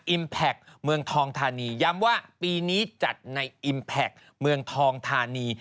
แพคเมืองทองธานีย้ำว่าปีนี้จัดในอิมแพคเมืองทองธานี